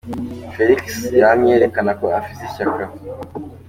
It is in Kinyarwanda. "Felix yamye yerekana ko afise ishaka.